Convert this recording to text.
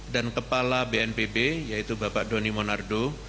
dan kepala bnpb yaitu bapak doni monardo